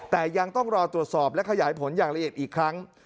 แต่ยังต้องรอตรวจสอบและขยายผลอย่างละเอียดอีกครั้ง